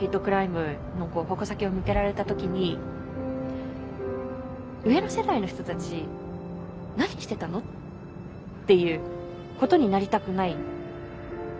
クライムの矛先を向けられた時に「上の世代の人たち何してたの？」っていうことになりたくないんですよね。